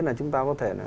là chúng ta có thể